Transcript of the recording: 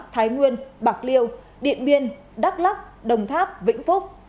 thái nguyên bạc liêu điện biên đắk lắc đồng tháp vĩnh phúc